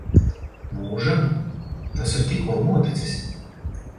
Mūžam? Tas ir tikko noticis.